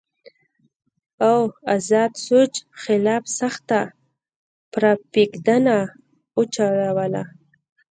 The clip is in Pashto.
او ازاد سوچ خلاف سخته پراپېګنډه اوچلوله